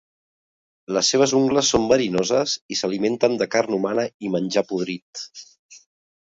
Les seves ungles són verinoses i s'alimenten de carn humana i menjar podrit.